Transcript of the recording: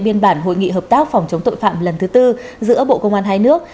biên bản hội nghị hợp tác phòng chống tội phạm lần thứ tư giữa bộ công an hai nước